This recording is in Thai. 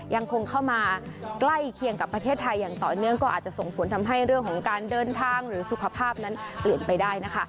ยังคงเข้ามาใกล้เคียงกับประเทศไทยอย่างต่อเนื่องก็อาจจะส่งผลทำให้เรื่องของการเดินทางหรือสุขภาพนั้นเปลี่ยนไปได้นะคะ